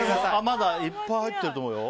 まだいっぱい入ってると思うよ。